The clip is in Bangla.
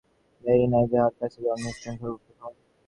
আপনাদের দেশে আমি এমন পুত্র দেখি নাই, যাহার কাছে জননীর স্থান সর্বপ্রথম।